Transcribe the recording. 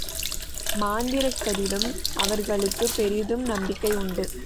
மாந்திரிகத்திலும் அவர்களுக்குப் பெரிதும் நம்பிக்கை உண்டு.